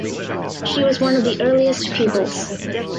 She was one of the earliest pupils.